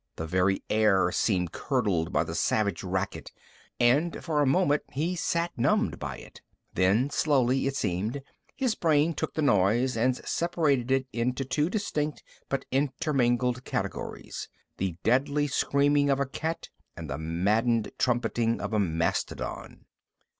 The very air seemed curdled by the savage racket and, for a moment, he sat numbed by it. Then, slowly, it seemed his brain took the noise and separated it into two distinct but intermingled categories, the deadly screaming of a cat and the maddened trumpeting of a mastodon.